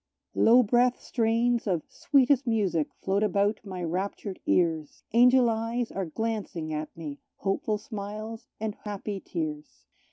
Low breathed strains of sweetest music float about my raptured ears; Angel eyes are glancing at me hopeful smiles and happy tears.